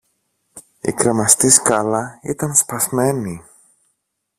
Η κρεμαστή σκάλα ήταν σπασμένη